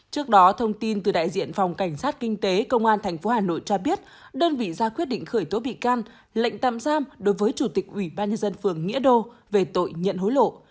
trước đó thông tin từ đại diện phòng cảnh sát kinh tế công an tp hà nội cho biết đơn vị ra quyết định khởi tố bị can lệnh tạm giam đối với chủ tịch ủy ban nhân dân phường nghĩa đô về tội nhận hối lộ